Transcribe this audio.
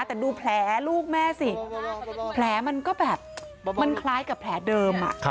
แต่ดูแผลลูกแม่สิแผลมันก็แบบมันคล้ายกับแผลเดิม